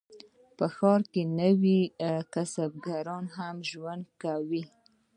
په ښارونو کې نورو کسبګرو هم ژوند کاوه.